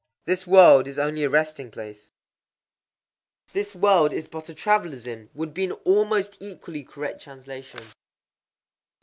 _ This world is only a resting place. "This world is but a travellers' inn," would be an almost equally correct translation.